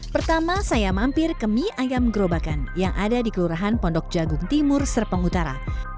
pertama saya mampir ke mie ayam gerobakan yang ada di kelurahan pondok jagung timur serpong utara